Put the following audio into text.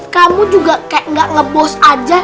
kamu juga kayak gak ngebos aja